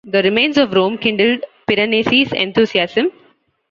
The remains of Rome kindled Piranesi's enthusiasm.